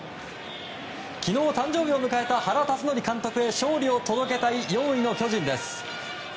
昨日誕生日を迎えた原辰徳監督勝利を届けたい４位の巨人です。